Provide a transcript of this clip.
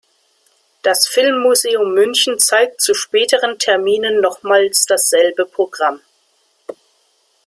Das Filmmuseum München zeigt zu späteren Terminen nochmals dasselbe Programm.